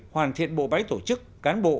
hoàn thiện bộ báy tổ chức cán bộ